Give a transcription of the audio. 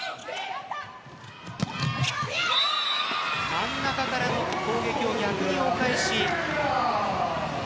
真ん中からの攻撃を逆にお返し。